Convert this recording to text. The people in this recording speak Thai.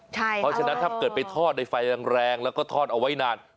เพราะฉะนั้นถ้าเกิดไปทอดในไฟแรงแล้วก็ทอดเอาไว้นาน